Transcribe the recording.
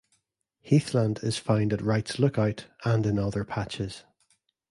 Heathland is found at Wrights Lookout and in other patches.